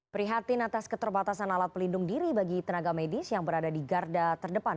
prihatin atas keterbatasan alat pelindung diri bagi tenaga medis yang berada di garda terdepan